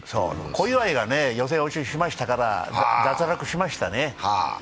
小祝が予選落ちしましたから、脱落しましたね。